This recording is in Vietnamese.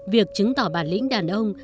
việc chứng tỏ bản lĩnh đàn ông